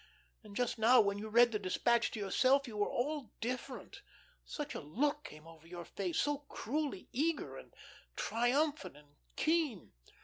And just now, when you read the despatch to yourself, you were all different; such a look came into your face, so cruelly eager, and triumphant and keen."